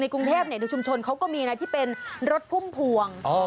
กรุงเทพในชุมชนเขาก็มีนะที่เป็นรถพุ่มพวง